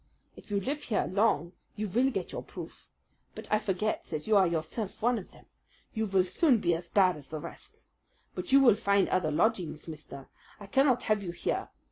"If you live here long you vill get your proof. But I forget that you are yourself one of them. You vill soon be as bad as the rest. But you vill find other lodgings, mister. I cannot have you here.